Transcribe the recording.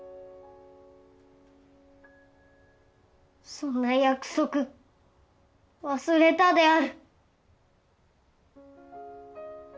そんな約束忘れたである。